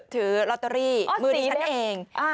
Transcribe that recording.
ถือลอตเตอรี่มือดิฉันเอง